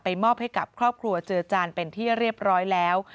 มอบให้กับครอบครัวเจือจานเป็นที่เรียบร้อยแล้ว